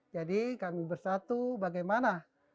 jadi kami bersatu bagaimana